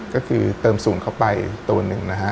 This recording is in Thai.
ก็คือเติมสูญเข้าไปตัวนึง